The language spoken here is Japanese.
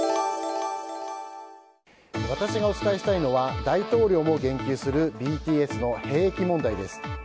私がお伝えしたいのは大統領も言及するＢＴＳの兵役問題です。